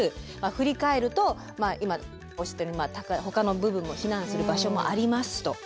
振り返ると今おっしゃったようにほかの部分も避難する場所もありますと。